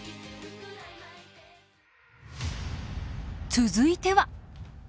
続いては。